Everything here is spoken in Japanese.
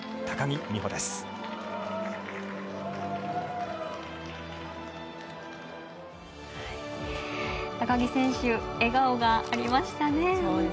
高木選手笑顔がありましたね。